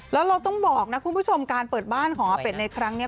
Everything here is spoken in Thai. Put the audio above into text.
แล้วเราต้องบอกนะคุณผู้ชมการเปิดบ้านของอาเป็ดในครั้งนี้